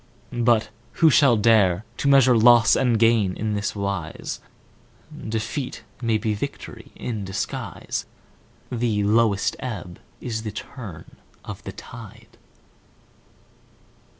But who shall dare To measure loss and gain in this wise? Defeat may be victory in disguise; The lowest ebb is the turn of the tide.